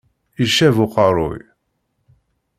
Icab uqerruy.